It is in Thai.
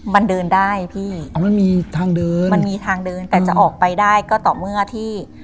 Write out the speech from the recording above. มันเดินได้พี่อ๋อไม่มีทางเดินมันมีทางเดินแต่จะออกไปได้ก็ต่อเมื่อที่